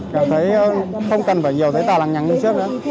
cảm thấy không cần phải nhiều giấy tàu lặng nhắn như trước nữa